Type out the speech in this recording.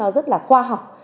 rất là khoa học